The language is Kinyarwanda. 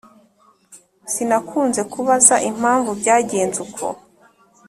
sinakunze kubaza impamvu byagenze uko